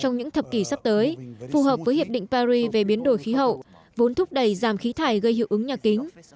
trong những thập kỷ sắp tới phù hợp với hiệp định paris về biến đổi khí hậu vốn thúc đẩy giảm khí thải gây hiệu ứng nhà kính